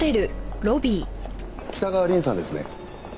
北川凛さんですね？